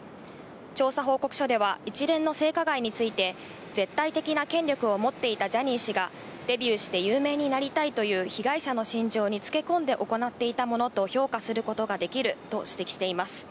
調査報告書では、一連の性加害について、絶対的な権力を持っていたジャニー氏が、デビューして有名になりたいという被害者の心情につけ込んで行っていたものと評価することができると指摘しています。